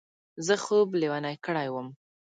زه خوب لېونی کړی وم.